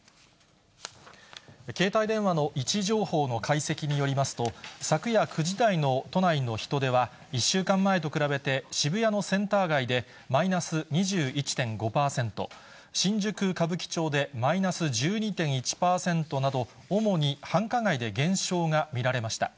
携帯電話の位置情報の解析によりますと、昨夜９時台の都内の人出は、１週間前と比べて、渋谷のセンター街でマイナス２１．５％、新宿・歌舞伎町でマイナス１２．１％など、主に繁華街で減少が見られました。